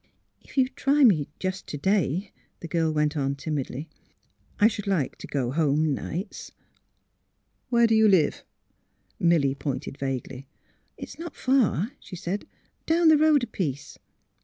If you'd try me — just to day," the girl went on, timidly. " I should like to go home nights." *' Where do you live? " Milly pointed vaguely. " It's not far," she said, *' down the road a piece."